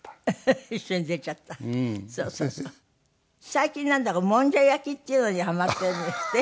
最近なんだかもんじゃ焼きっていうのにハマってるんですって？